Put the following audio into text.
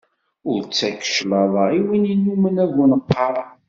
Ur ttak cclaḍa i win innumen abuneqqaṛ.